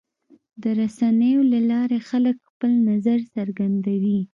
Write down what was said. د رسنیو له لارې خلک خپل نظر څرګندوي.